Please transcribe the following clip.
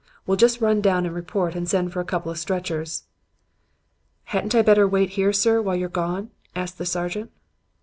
We'll just run down and report and send for a couple of stretchers.' "'Hadn't I better wait here, sir, while you're gone?' asked the sergeant.